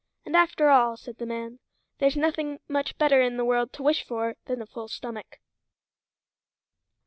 "And after all," said the man, "there's nothing much better in the world to wish for than a full stomach."